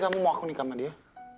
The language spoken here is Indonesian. kamu mau aku nih sama dia